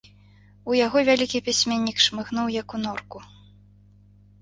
У яго вялікі пісьменнік шмыгнуў, як у норку.